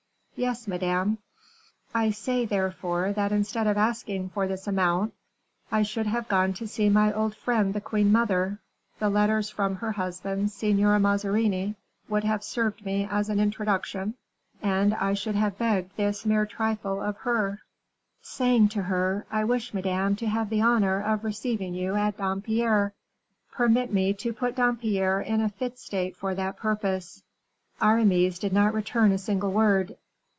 "Yes, madame." "I say, therefore, that instead of asking for this amount, I should have gone to see my old friend the queen mother; the letters from her husband, Signor Mazarini, would have served me as an introduction, and I should have begged this mere trifle of her, saying to her, 'I wish, madame, to have the honor of receiving you at Dampierre. Permit me to put Dampierre in a fit state for that purpose.'" Aramis did not return a single word.